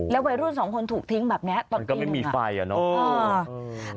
วัยรุ่นสองคนถูกทิ้งแบบนี้มันก็ไม่มีไฟอ่ะเนอะ